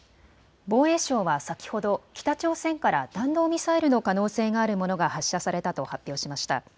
防衛省は先ほど北朝鮮から弾道ミサイルの可能性があるものが発射されたと発表しました。